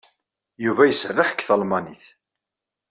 Yuba iserreḥ deg talmanit.